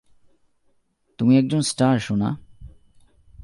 তুমি একজন স্টার, সোনা।